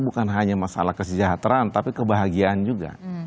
bukan hanya masalah kesejahteraan tapi kebahagiaan juga